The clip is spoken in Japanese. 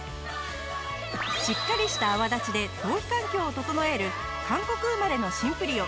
しっかりした泡立ちで頭皮環境を整える韓国生まれのシンプリオ。